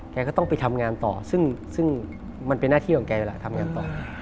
แกก็ต้องไปทำงานต่อซึ่งมันเป็นหน้าที่ของแกเวลาทำงานต่อ